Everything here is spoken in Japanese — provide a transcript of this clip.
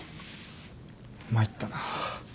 参ったな。